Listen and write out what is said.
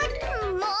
もう！